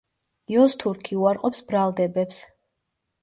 იოზთურქი უარყოფს ბრალდებებს.